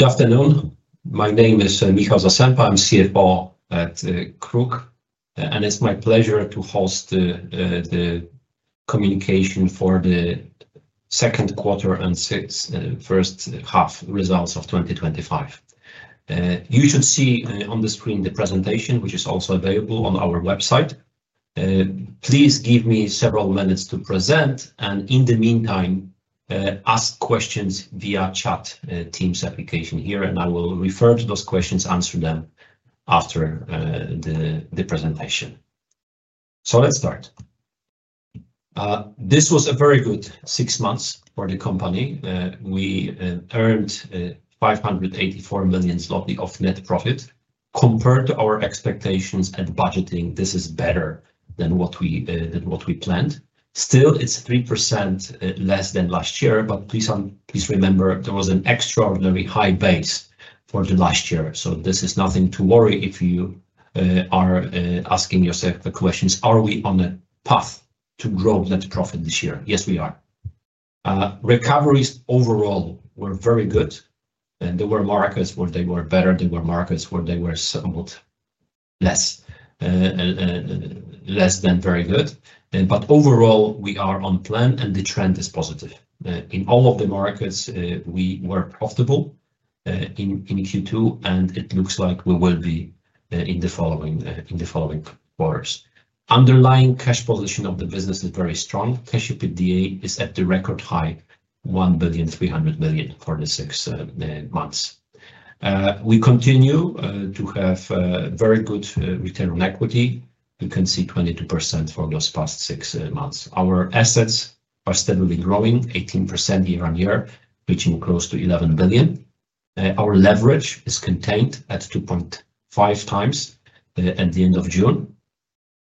Good afternoon. My name is Michał Zasępa. I'm CFO at KRUK, and it's my pleasure to host the communication for the second quarter and first half results of 2025. You should see on the screen the presentation, which is also available on our website. Please give me several minutes to present, and in the meantime, ask questions via chat in the Teams application here, and I will refer to those questions and answer them after the presentation. Let's start. This was a very good six months for the company. We earned 584 million zloty of net profit. Compared to our expectations and budgeting, this is better than what we planned. Still, it's 3% less than last year, but please remember there was an extraordinarily high base for last year. This is nothing to worry if you are asking yourself the question: Are we on the path to growing net profit this year? Yes, we are. Recoveries overall were very good, and there were markets where they were better, and there were markets where they were somewhat less than very good. Overall, we are on plan and the trend is positive. In all of the markets, we were profitable in Q2, and it looks like we will be in the following quarters. The underlying cash position of the business is very strong. Cash EBITDA is at the record high, 1.3 billion for the six months. We continue to have very good return on equity. You can see 22% for those past six months. Our assets are steadily growing 18% year on year, reaching close to 11 billion. Our leverage is contained at 2.5x at the end of June.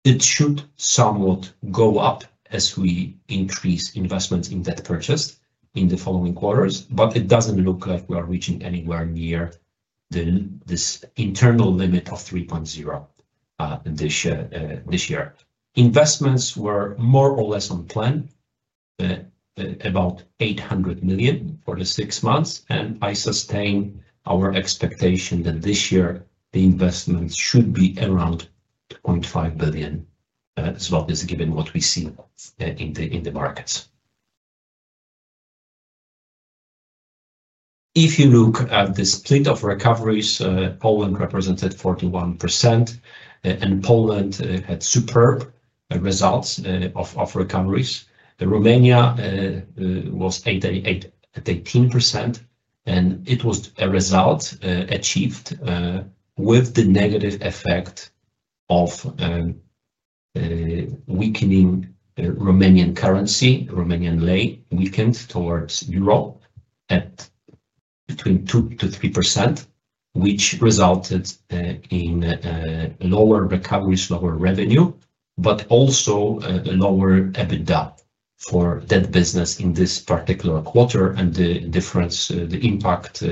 It should somewhat go up as we increase investments in debt purchase in the following quarters, but it doesn't look like we are reaching anywhere near this internal limit of 3.0 this year. Investments were more or less on plan, about 800 million for the six months, and I sustain our expectation that this year the investments should be around 1.5 billion, given what we see in the markets. If you look at the split of recoveries, Poland represented 41%, and Poland had superb results of recoveries. Romania was at 18%, and it was a result achieved with the negative effect of weakening Romanian currency. The Romanian leu weakened towards euro between 2%-3%, which resulted in lower recoveries, lower revenue, but also a lower EBITDA for that business in this particular quarter, and the difference, the impact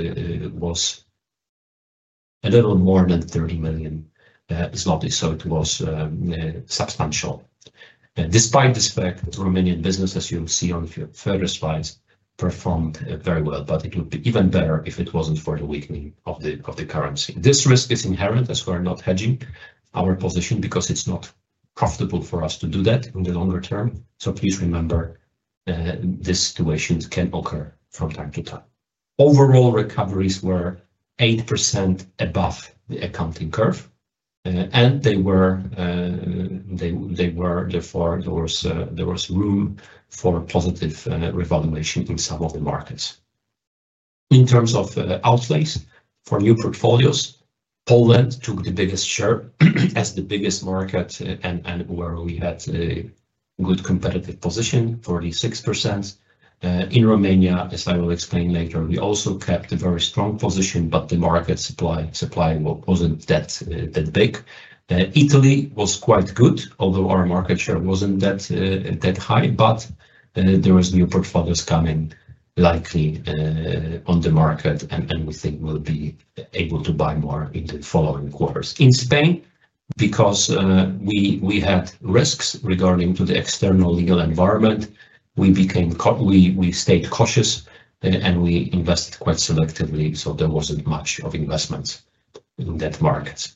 was a little more than 30 million zloty. It was substantial. Despite this fact, Romanian business, as you'll see on further slides, performed very well, but it would be even better if it wasn't for the weakening of the currency. This risk is inherent as we're not hedging our position because it's not profitable for us to do that in the longer term. Please remember, these situations can occur from time to time. Overall, recoveries were 8% above the accounting curve, and therefore, there was room for positive revaluation in some of the markets. In terms of outlays for new portfolios, Poland took the biggest share as the biggest market and where we had a good competitive position, 46%. In Romania, as I will explain later, we also kept a very strong position, but the market supply wasn't that big. Italy was quite good, although our market share wasn't that high, but there were new portfolios coming likely on the market, and we think we'll be able to buy more in the following quarters. In Spain, because we had risks regarding the external legal environment, we stayed cautious and we invested quite selectively, so there wasn't much of investment in that market.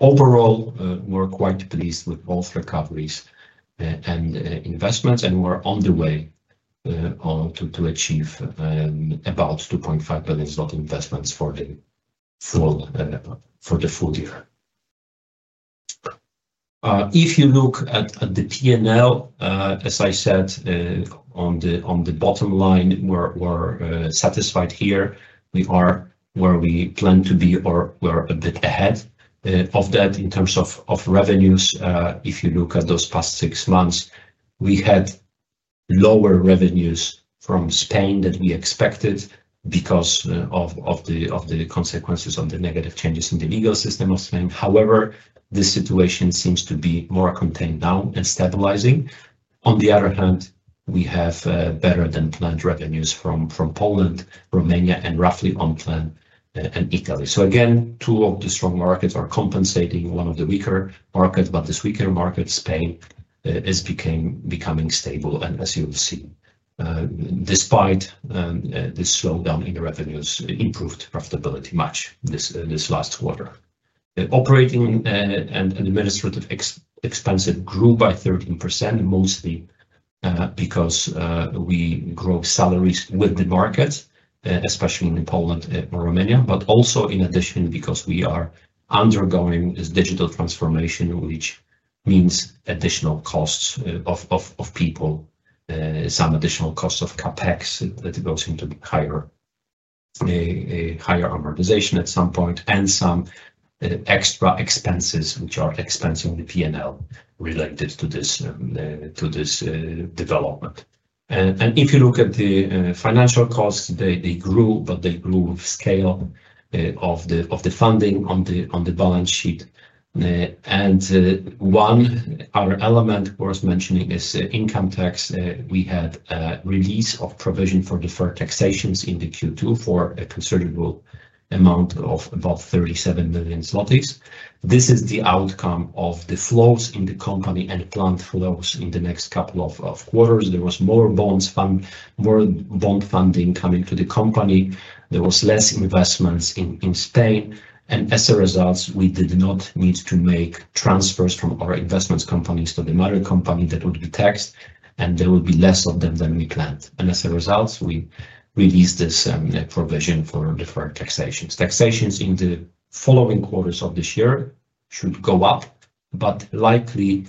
Overall, we're quite pleased with both recoveries and investments, and we're on the way to achieve about 2.5 billion zloty investments for the full year. If you look at the P&L, as I said, on the bottom line, we're satisfied here. We are where we plan to be or we're a bit ahead of that in terms of revenues. If you look at those past six months, we had lower revenues from Spain than we expected because of the consequences of the negative changes in the legal system of Spain. However, this situation seems to be more contained now and stabilizing. On the other hand, we have better than planned revenues from Poland, Romania, and roughly on plan in Italy. Again, two of the strong markets are compensating one of the weaker markets, but this weaker market, Spain, is becoming stable. As you'll see, despite this slowdown in revenues, improved profitability much in this last quarter. Operating and administrative expenses grew by 13%, mostly because we grow salaries with the market, especially in Poland and Romania, but also in addition because we are undergoing digital transformation, which means additional costs of people, some additional costs of CapEx that goes into higher amortization at some point, and some extra expenses which are expensing the P&L related to this development. If you look at the financial costs, they grew, but they grew with scale of the funding on the balance sheet. One other element worth mentioning is income tax. We had a release of provision for deferred taxations in Q2 for a considerable amount of about 37 million zlotys. This is the outcome of the flows in the company and planned flows in the next couple of quarters. There was more bond funding coming to the company. There was less investment in Spain. As a result, we did not need to make transfers from our investment companies to the mother company that would be taxed, and there would be less of them than we planned. As a result, we released this provision for deferred taxations. Taxations in the following quarters of this year should go up, but likely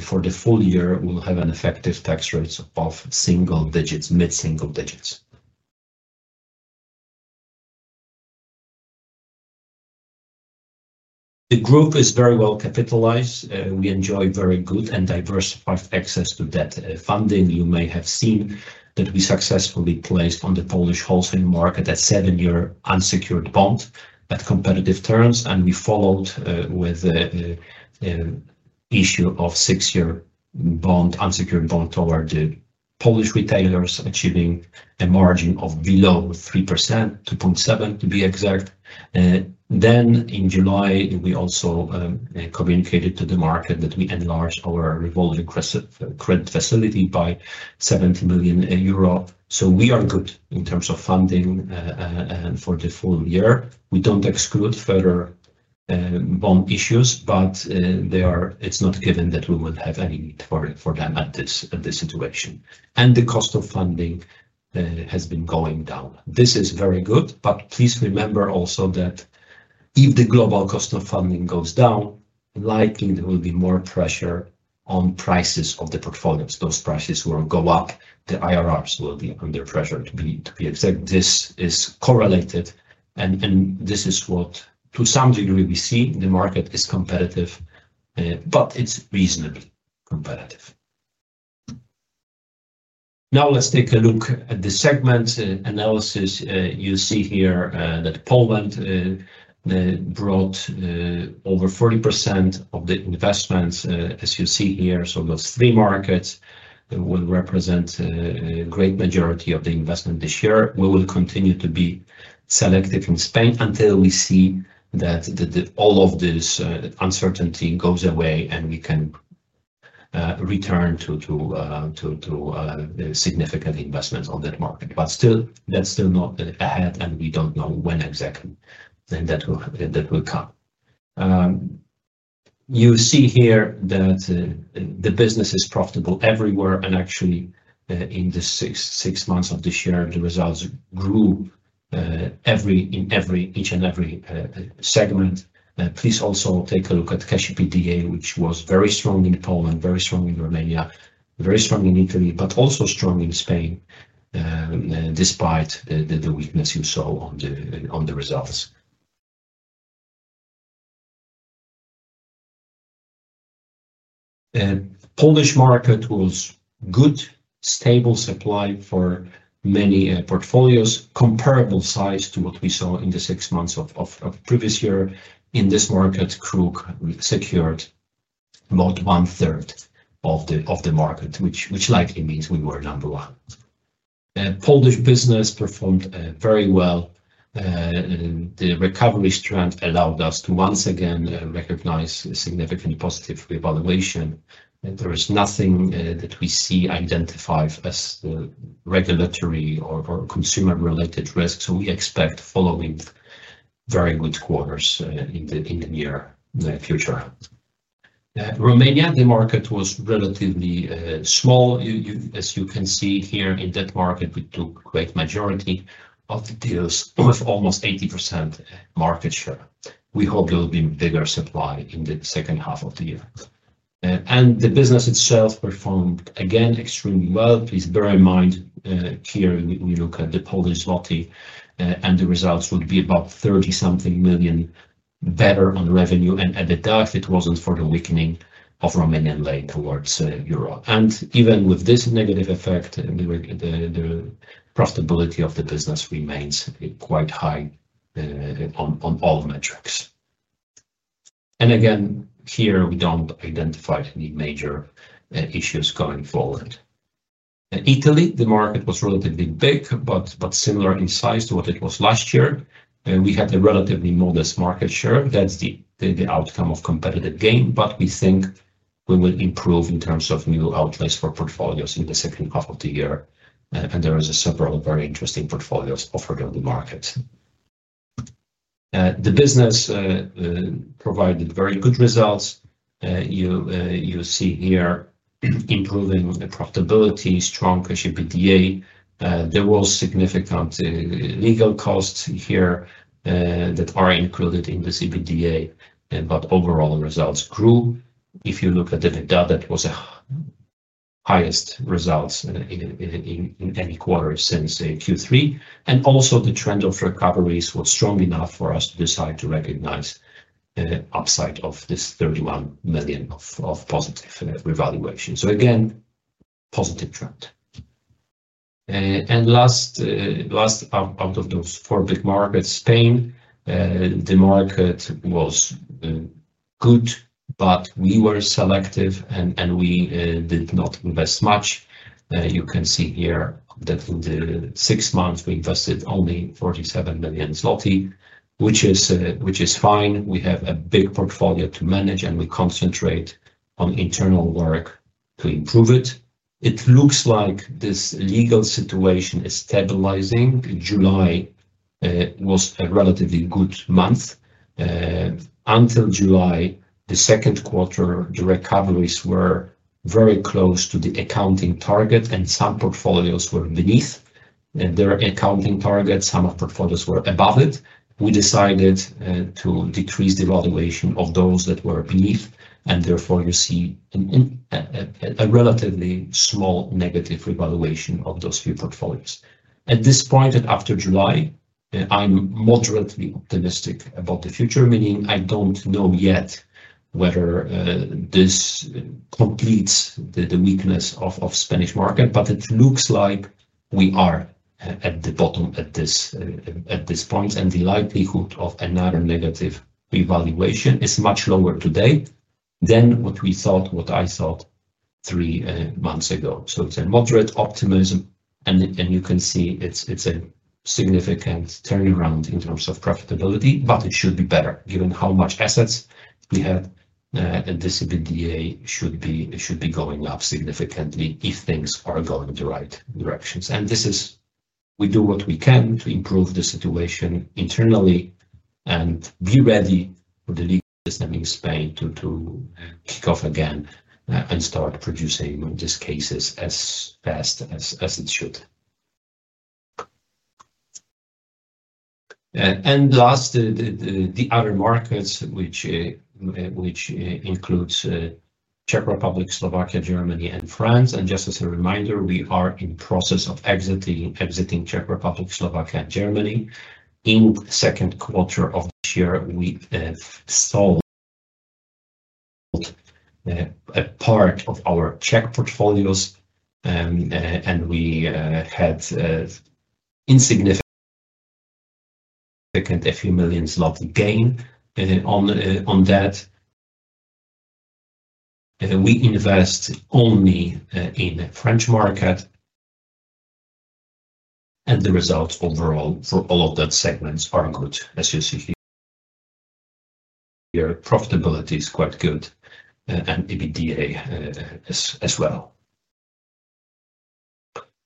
for the full year, we'll have an effective tax rate of single digits, mid-single digits. The group is very well capitalized. We enjoy very good and diversified access to debt funding. You may have seen that we successfully placed on the Polish wholesale market a seven-year unsecured bond at competitive terms, and we followed with an issue of a six-year unsecured bond toward the Polish retailers, achieving a margin of below 3%, 2.7% to be exact. In July, we also communicated to the market that we enlarged our revolving credit facility by 70 million euro. We are good in terms of funding for the full year. We don't exclude further bond issues, but it's not given that we won't have any need for them at this situation. The cost of funding has been going down. This is very good, but please remember also that if the global cost of funding goes down, likely there will be more pressure on prices of the portfolios. Those prices will go up. The IRRs will be under pressure, to be exact. This is correlated, and this is what, to some degree, we see. The market is competitive, but it's reasonably competitive. Now let's take a look at the segment analysis. You see here that Poland brought over 40% of the investments, as you see here. Those three markets will represent a great majority of the investment this year. We will continue to be selective in Spain until we see that all of this uncertainty goes away and we can return to significant investments on that market. That's still not ahead, and we don't know when exactly that will come. You see here that the business is profitable everywhere, and actually, in the six months of this year, the results grew in each and every segment. Please also take a look at cash EBITDA, which was very strong in Poland, very strong in Romania, very strong in Italy, but also strong in Spain, despite the weakness you saw on the results. The Polish market was good, stable supply for many portfolios, comparable size to what we saw in the six months of the previous year. In this market, KRUK secured about one-third of the market, which likely means we were number one. Polish business performed very well. The recovery strength allowed us to once again recognize significant positive revaluation, and there is nothing that we see identified as regulatory or consumer-related risks. We expect following very good quarters in the near future. Romania, the market was relatively small. As you can see here in that market, we took a great majority of the deals with almost 80% market share. We hope there will be a bigger supply in the second half of the year. The business itself performed again extremely well. Please bear in mind, here we look at the Polish złoty, and the results would be about 30 million-something better on revenue and EBITDA if it wasn't for the weakening of Romanian leu towards euro. Even with this negative effect, the profitability of the business remains quite high on all metrics. Again, here we don't identify any major issues going forward. Italy, the market was relatively big, but similar in size to what it was last year. We had a relatively modest market share. That's the outcome of competitive gain, but we think we will improve in terms of new outlets for portfolios in the second half of the year. There are several very interesting portfolios offered on the market. The business provided very good results. You see here improving profitability, strong cash EBITDA. There were significant legal costs here that are included in this EBITDA, but overall, the results grew. If you look at EBITDA, that was the highest results in any quarter since Q3. Also, the trend of recovery is strong enough for us to decide to recognize an upside of this 31 million of positive revaluation. Again, positive trend. Last, last out of those four big markets, Spain, the market was good, but we were selective and we did not invest much. You can see here that in the six months, we invested only 47 million zloty, which is fine. We have a big portfolio to manage, and we concentrate on internal work to improve it. It looks like this legal situation is stabilizing. July was a relatively good month. Until July, the second quarter, the recoveries were very close to the accounting target, and some portfolios were beneath their accounting target. Some of the portfolios were above it. We decided to decrease the valuation of those that were beneath, and therefore, you see a relatively slow negative revaluation of those few portfolios. At this point, after July, I'm moderately optimistic about the future, meaning I don't know yet whether this completes the weakness of the Spanish market, but it looks like we are at the bottom at this point. The likelihood of another negative revaluation is much lower today than what we thought, what I thought three months ago. It's a moderate optimism, and you can see it's a significant turnaround in terms of profitability, but it should be better given how much assets we had. This EBITDA should be going up significantly if things are going in the right directions. We do what we can to improve the situation internally and be ready for the legal system in Spain to kick off again and start producing these cases as fast as it should. Last, the other markets, which include Czech Republic, Slovakia, Germany, and France. Just as a reminder, we are in the process of exiting Czech Republic, Slovakia, and Germany in the second quarter of this year. We sold a part of our Czech portfolios, and we had an insignificant, a few million złoty gain on that. We invest only in the French market, and the results overall for all of that segment are good, as you see here. Profitability is quite good, and EBITDA as well.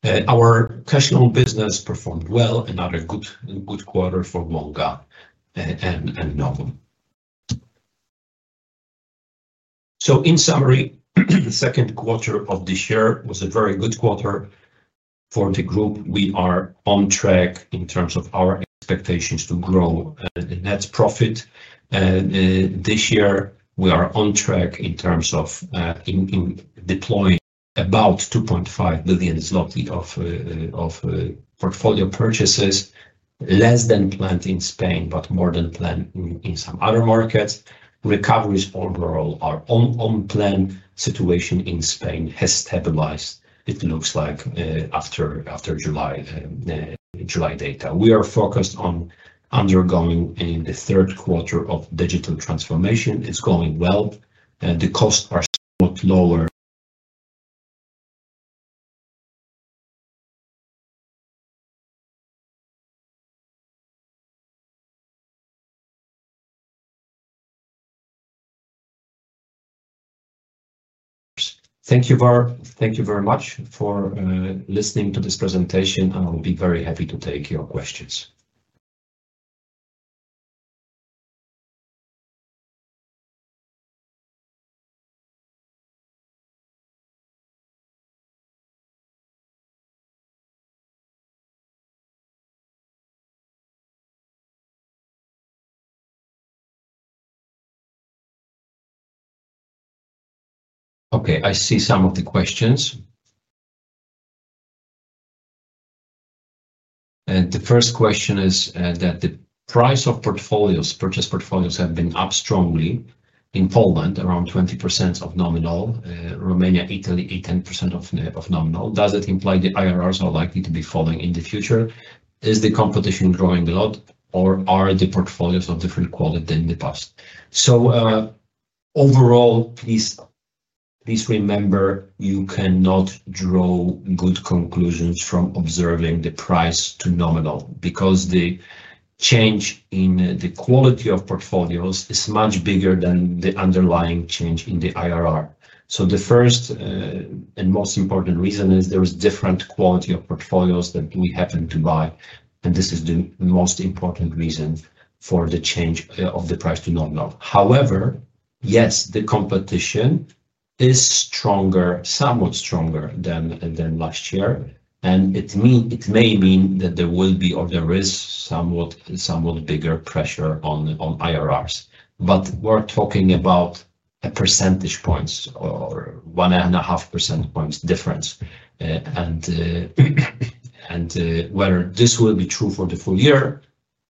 Our cash flow business performed well in another good quarter for Volga and Novum. In summary, the second quarter of this year was a very good quarter for the group. We are on track in terms of our expectations to grow the net profit. This year, we are on track in terms of deploying about 2.5 billion zloty of portfolio purchases, less than planned in Spain, but more than planned in some other markets. Recoveries overall are on plan. The situation in Spain has stabilized, it looks like, after July data. We are focused on undergoing the third quarter of digital transformation. It's going well, and the costs are much lower. Thank you very much for listening to this presentation. I'll be very happy to take your questions. Okay, I see some of the questions. The first question is that the price of portfolios, purchase portfolios, have been up strongly in Poland, around 20% of nominal. Romania, Italy, 18% of nominal. Does it imply the IRRs are likely to be falling in the future? Is the competition growing a lot, or are the portfolios of different quality than in the past? Overall, please remember you cannot draw good conclusions from observing the price to nominal because the change in the quality of portfolios is much bigger than the underlying change in the IRR. The first and most important reason is there is different quality of portfolios that we happen to buy, and this is the most important reason for the change of the price to nominal. However, yes, the competition is somewhat stronger than last year, and it may mean that there will be or there is somewhat bigger pressure on IRRs. We're talking about a percentage point or 1.5% difference. Whether this will be true for the full year,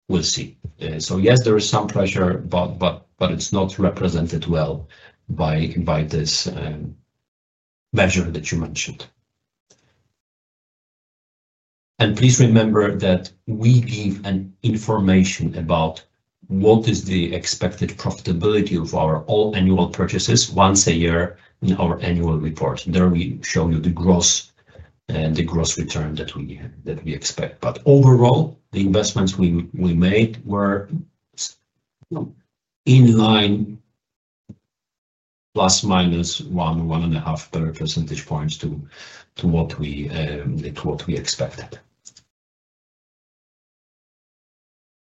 we'll see. There is some pressure, but it's not represented well by this measure that you mentioned. Please remember that we give information about what is the expected profitability of our all annual purchases once a year in our annual report. There we show you the gross return that we expect. Overall, the investments we made were in line plus minus one or one and a half percentage points to what we expected.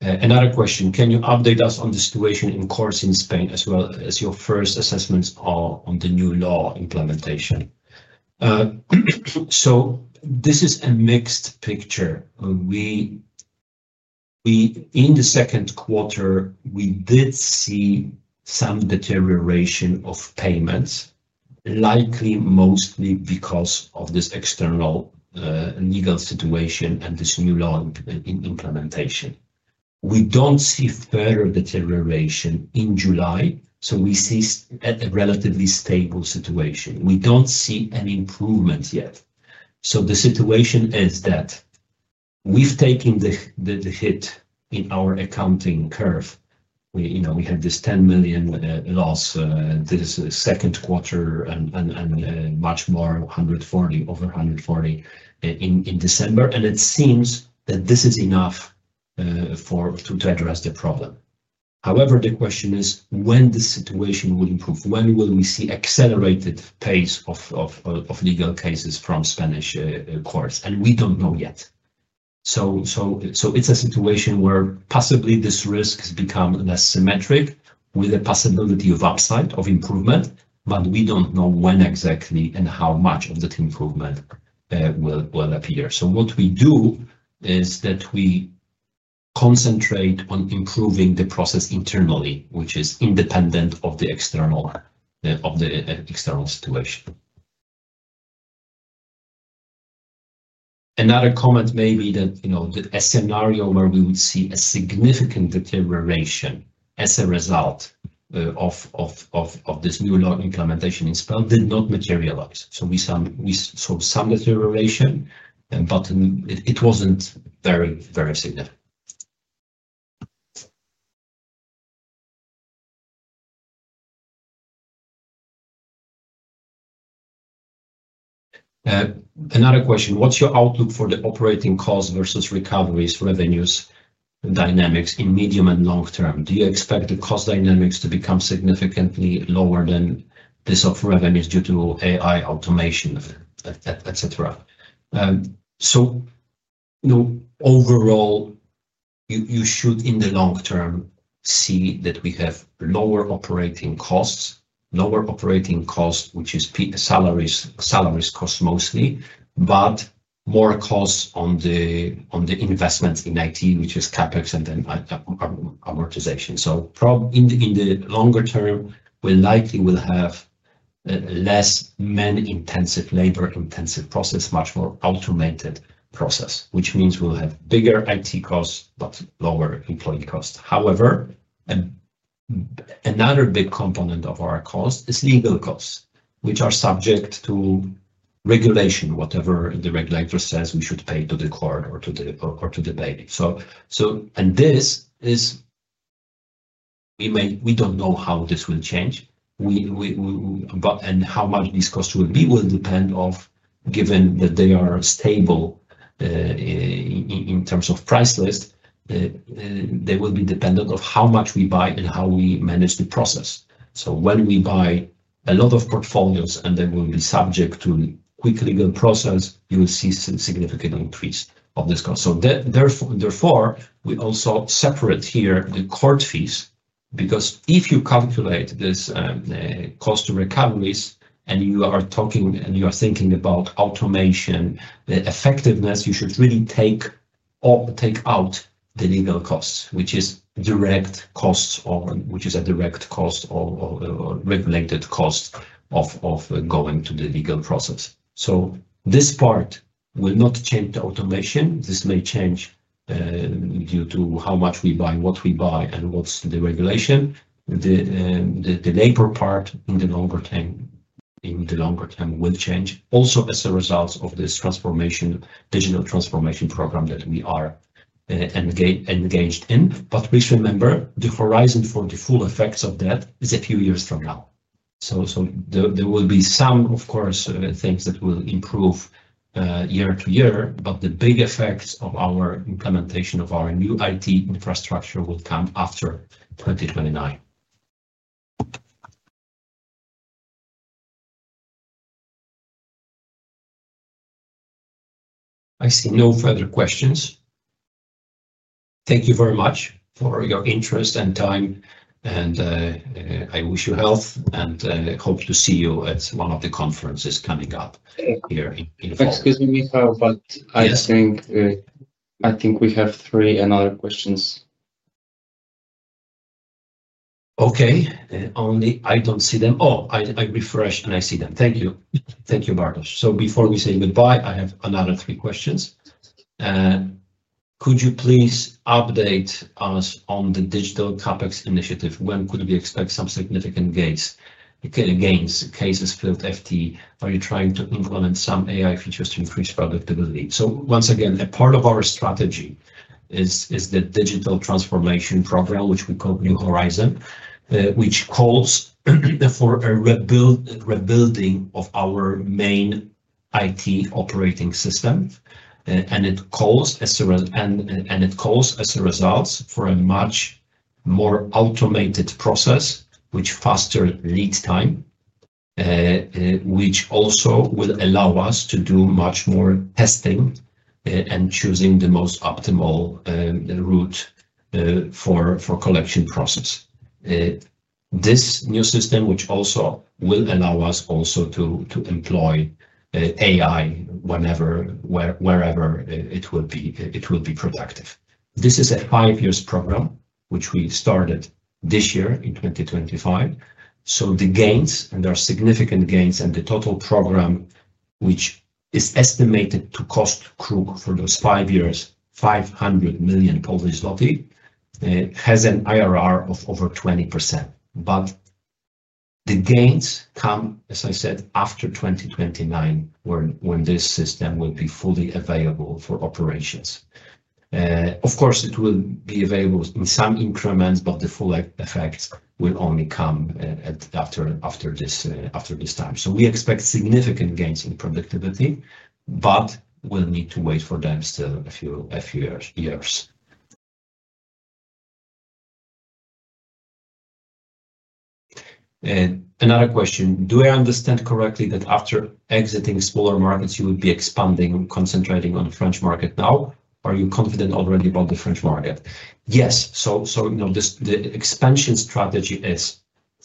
Another question. Can you update us on the situation in courts in Spain as well as your first assessments on the new law implementation? This is a mixed picture. In the second quarter, we did see some deterioration of payments, likely mostly because of this external legal situation and this new law implementation. We don't see further deterioration in July, so we see a relatively stable situation. We don't see an improvement yet. The situation is that we've taken the hit in our accounting curve. You know we have this 10 million loss. This is the second quarter and much more, over 140 million in December. It seems that this is enough to address the problem. However, the question is when this situation will improve. When will we see accelerated pace of legal cases from Spanish courts? We don't know yet. It's a situation where possibly these risks become less symmetric with the possibility of upside, of improvement, but we don't know when exactly and how much of that improvement will appear. What we do is that we concentrate on improving the process internally, which is independent of the external situation. Another comment may be that a scenario where we would see a significant deterioration as a result of this new law implementation in Spain did not materialize. We saw some deterioration, but it wasn't very, very significant. Another question. What's your outlook for the operating cost versus recoveries, revenues, and dynamics in the medium and long term? Do you expect the cost dynamics to become significantly lower than those of revenues due to AI automation, etc.? Overall, you should, in the long term, see that we have lower operating costs, which is salaries costs mostly, but more costs on the investments in IT, which is CapEx and then amortization. Probably in the longer term, we likely will have a less man-intensive, labor-intensive process, much more automated process, which means we'll have bigger IT costs, but lower employee costs. However, another big component of our cost is legal costs, which are subject to regulation, whatever the regulator says we should pay to the court or to the bailiff. We don't know how this will change, and how much these costs will be will depend on, given that they are stable in terms of price list, they will be dependent on how much we buy and how we manage the process. When we buy a lot of portfolios and they will be subject to quick legal process, you will see a significant increase of this cost. Therefore, we also separate here the court fees because if you calculate this cost of recoveries and you are thinking about automation, the effectiveness, you should really take out the legal costs, which is a direct cost or regulated cost of going to the legal process. This part will not change with automation. This may change due to how much we buy, what we buy, and what's the regulation. The labor part in the longer term will change also as a result of this transformation, digital transformation program that we are engaged in. Please remember, the horizon for the full effects of that is a few years from now. There will be some, of course, things that will improve year to year, but the big effects of our implementation of our new IT infrastructure would come after 2029. I see no further questions. Thank you very much for your interest and time. I wish you health, and I hope to see you at one of the conferences coming up here. Excuse me, Michał, but I think we have three other questions. Okay. Only I don't see them. Oh, I refreshed and I see them. Thank you. Thank you, Bartosz. Before we say goodbye, I have another three questions. Could you please update us on the digital CapEx initiative? When could we expect some significant gains? Okay, gains, cases flipped, FT. Are you trying to implement some AI features to increase productivity? Once again, a part of our strategy is the digital transformation program, which we call New Horizon, which calls for a rebuilding of our main IT operating system. It calls as a result for a much more automated process, with faster lead time, which also will allow us to do much more testing and choosing the most optimal route for collection process. This new system, which also will allow us also to employ AI whenever, wherever it will be, it will be productive. This is a five-year program, which we started this year in 2025. The gains, and there are significant gains, and the total program, which is estimated to cost KRUK for those five years, 500 million Polish zloty, has an IRR of over 20%. The gains come, as I said, after 2029, when this system will be fully available for operations. Of course, it will be available in some increments, but the full effects will only come after this time. We expect significant gains in productivity, but we'll need to wait for them still a few years. Another question. Do I understand correctly that after exiting smaller markets, you will be expanding and concentrating on the French market now? Are you confident already about the French market? Yes. Now the expansion strategy is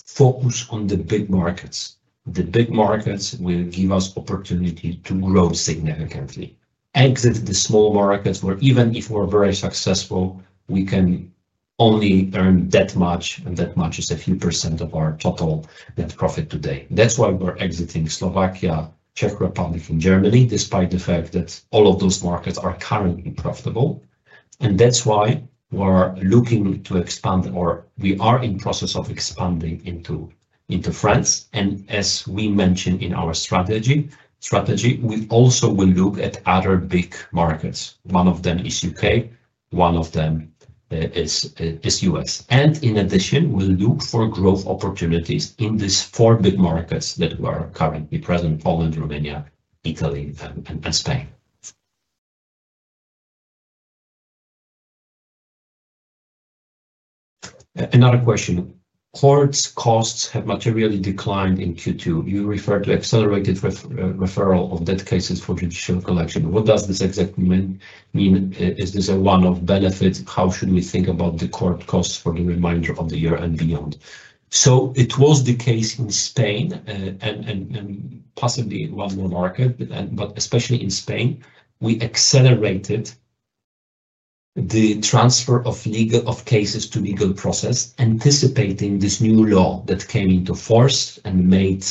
focused on the big markets. The big markets will give us opportunity to grow significantly. Exit the small markets where even if we're very successful, we can only earn that much, and that much is a few % of our total net profit today. That's why we're exiting Slovakia, Czech Republic, and Germany, despite the fact that all of those markets are currently profitable. That's why we're looking to expand, or we are in the process of expanding into France. As we mentioned in our strategy, we also will look at other big markets. One of them is U.K. One of them is U.S. In addition, we'll look for growth opportunities in these four big markets that we're currently present: Poland, Romania, Italy, and Spain. Another question. Court's costs have materially declined in Q2. You referred to accelerated referral of debt cases for judicial collection. What does this exactly mean? Is this a one-off benefit? How should we think about the court costs for the remainder of the year and beyond? It was the case in Spain and possibly in one more market, but especially in Spain, we accelerated the transfer of legal cases to legal process, anticipating this new law that came into force and made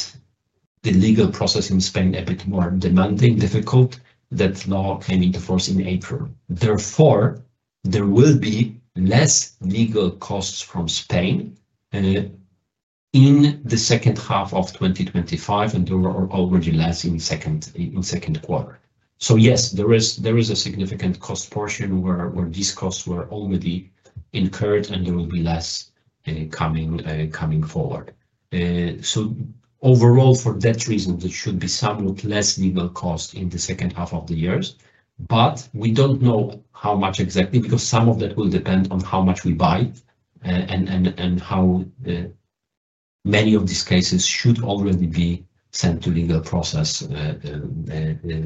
the legal process in Spain a bit more demanding, difficult. That law came into force in April. Therefore, there will be less legal costs from Spain in the second half of 2025, and there are already less in the second quarter. Yes, there is a significant cost portion where these costs were already incurred, and there will be less coming forward. Overall, for that reason, there should be somewhat less legal costs in the second half of the years. We don't know how much exactly because some of that will depend on how much we buy and how many of these cases should already be sent to legal process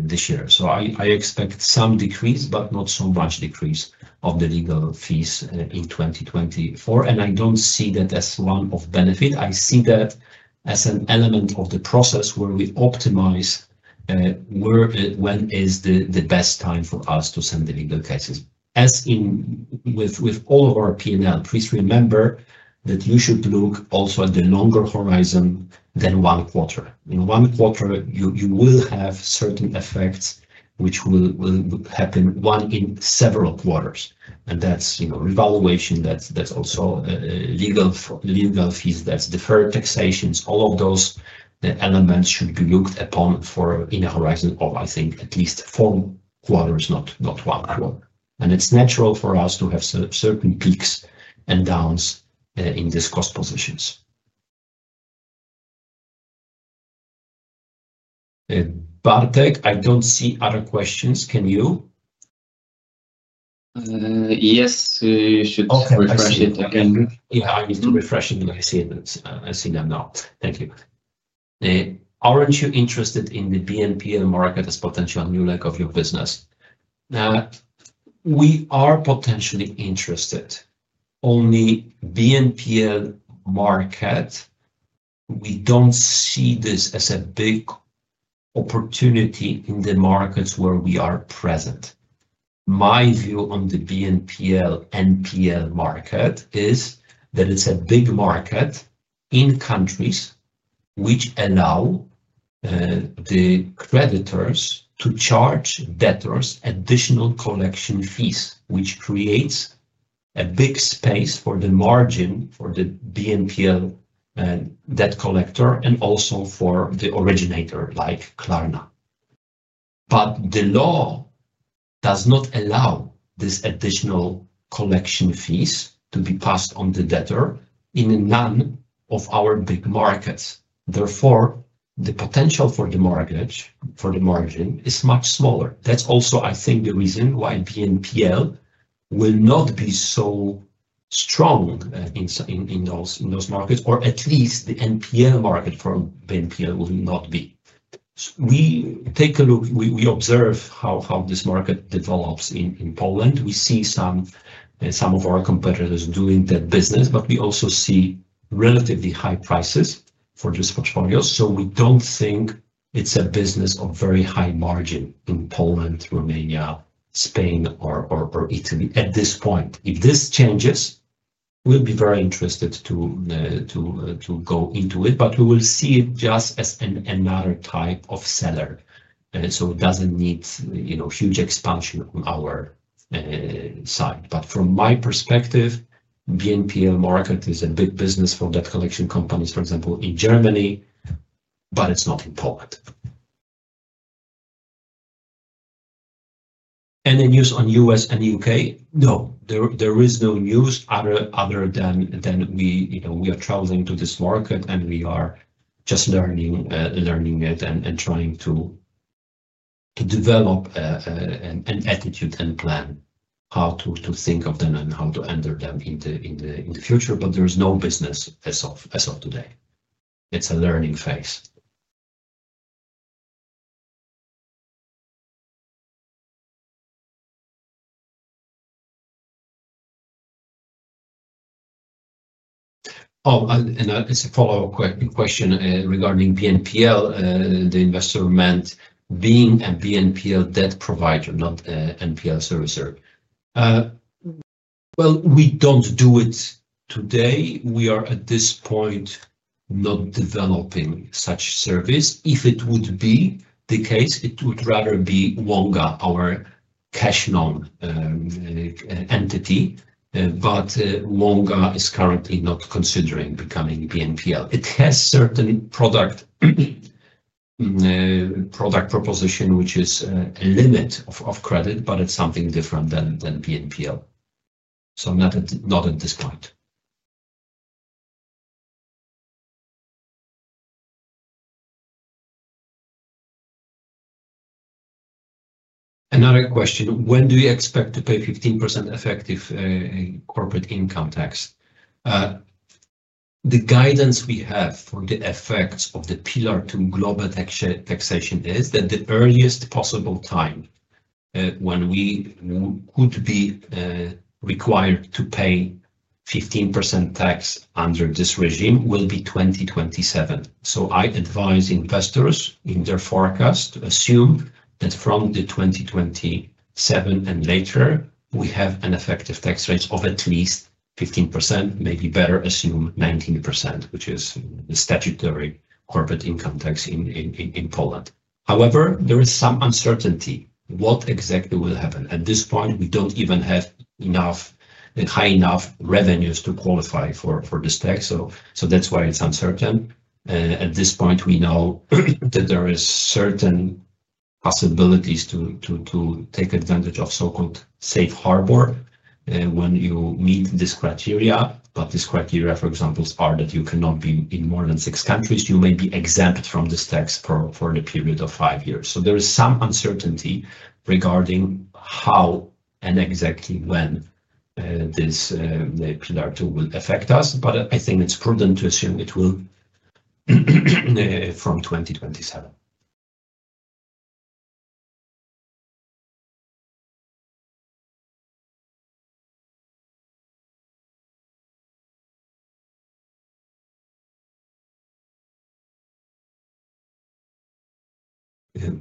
this year. I expect some decrease, but not so much decrease of the legal fees in 2024. I don't see that as one-off benefits. I see that as an element of the process where we optimize when is the best time for us to send the legal cases. As in with all of our P&L, please remember that you should look also at the longer horizon than one quarter. In one quarter, you will have certain effects which will happen one in several quarters. That's revaluation. That's also legal fees. That's deferred taxations. All of those elements should be looked upon in a horizon of, I think, at least four quarters, not one quarter. It's natural for us to have certain peaks and downs in these cost positions. Bartek, I don't see other questions. Can you? Yes, you should refresh it again. Yeah, I was refreshing them. I see them now. Thank you. Are you interested in the BNPL market as a potential new leg of your business? Now, we are potentially interested. Only BNPL market, we don't see this as a big opportunity in the markets where we are present. My view on the BNPL/NPL market is that it's a big market in countries which allow the creditors to charge debtors additional collection fees, which creates a big space for the margin for the BNPL debt collector and also for the originator like Klarna. The law does not allow these additional collection fees to be passed on the debtor in none of our big markets. Therefore, the potential for the market for the margin is much smaller. That's also, I think, the reason why BNPL will not be so strong in those markets, or at least the NPL market for BNPL will not be. We take a look. We observe how this market develops in Poland. We see some of our competitors doing that business, but we also see relatively high prices for these portfolios. We don't think it's a business of very high margin in Poland, Romania, Spain, or Italy at this point. If this changes, we'll be very interested to go into it, but we will see it just as another type of seller. It doesn't need huge expansion from our side. From my perspective, the BNPL market is a big business for debt collection companies, for example, in Germany, but it's not in Poland. Any news on U.S. and U.K.? No, there is no news other than we are traveling to this market and we are just learning it and trying to develop an attitude and plan how to think of them and how to handle them in the future. There's no business as of today. It's a learning phase. It's a follow-up question regarding BNPL. The investor meant being a BNPL debt provider, not NPL servicer. We don't do it today. We are at this point not developing such service. If it would be the case, it would rather be Volga, our cash-owned entity. Volga is currently not considering becoming a BNPL. It has a certain product proposition, which is a limit of credit, but it's something different than a BNPL. Not at this point. Another question. When do you expect to pay 15% effective corporate income tax? The guidance we have for the effects of the Pillar 2 global taxation is that the earliest possible time when we could be required to pay 15% tax under this regime will be 2027. I advise investors in their forecast to assume that from 2027 and later, we have an effective tax rate of at least 15%, maybe better assume 19%, which is the statutory corporate income tax in Poland. However, there is some uncertainty what exactly will happen. At this point, we don't even have enough and high enough revenues to qualify for this tax. That's why it's uncertain. At this point, we know that there are certain possibilities to take advantage of so-called safe harbor when you meet this criteria. This criteria, for example, is that you cannot be in more than six countries. You may be exempt from this tax for a period of five years. There is some uncertainty regarding how and exactly when this Pillar 2 will affect us. I think it's prudent to assume it will from 2027.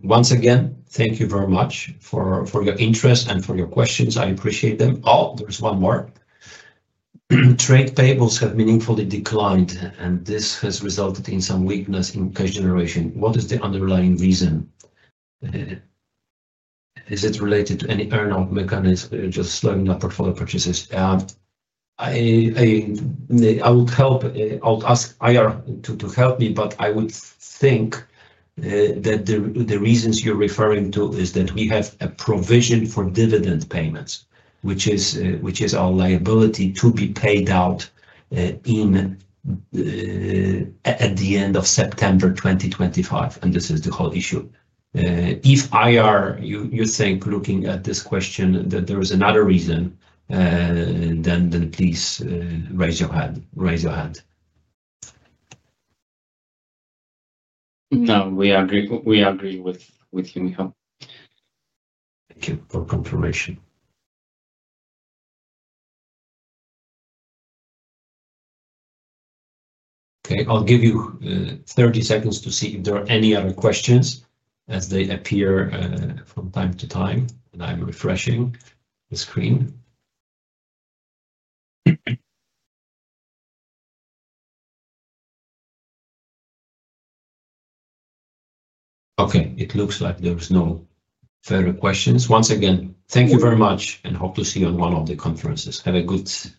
Once again, thank you very much for your interest and for your questions. I appreciate them. Oh, there's one more. Trade payables have meaningfully declined, and this has resulted in some weakness in cash generation. What is the underlying reason? Is it related to any earnout mechanism, just slowing up portfolio purchases? I would ask IR to help me, but I would think that the reasons you're referring to are that we have a provision for dividend payments, which is our liability to be paid out at the end of September 2025. This is the whole issue. If IR, you think, looking at this question, that there is another reason, then please raise your hand. Raise your hand. No, we agree with you, Michał. Thank you for confirmation. Okay, I'll give you 30 seconds to see if there are any other questions as they appear from time to time, and I'm refreshing the screen. Okay, it looks like there's no further questions. Once again, thank you very much, and hope to see you on one of the conferences. Have a good.